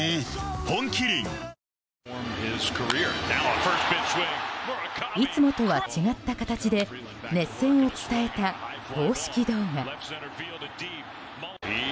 本麒麟いつもとは違った形で熱戦を伝えた公式動画。